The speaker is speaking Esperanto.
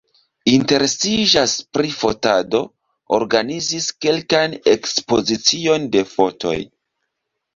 Interesiĝas pri fotado, organizis kelkajn ekspoziciojn de fotoj.